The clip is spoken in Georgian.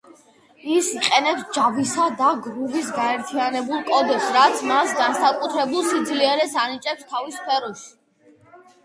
ის იყენებს ჯავისა და გრუვის გაერთიანებულ კოდებს, რაც მას განსაკუთრებულ სიძლიერეს ანიჭებს თავის სფეროში.